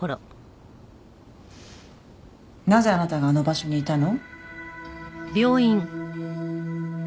なぜあなたはあの場所にいたの？